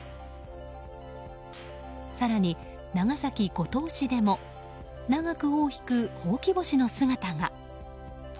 更に、長崎・五島市でも長く尾を引くほうき星の姿が。